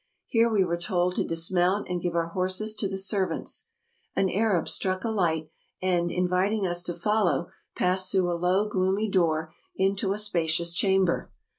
Here we were told to dismount and give our horses to the servants. An Arab struck a light, and, inviting us to follow, passed through a low, gloomy door into a spa cious chamber.